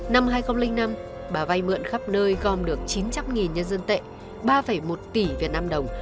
năm hai nghìn năm bà vay mượn khắp nơi gom được chín trăm linh nhân dân tệ ba một tỷ việt nam đồng